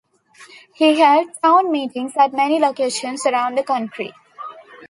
He held "town meetings" at many locations around the country.